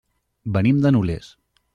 Venim de Nules.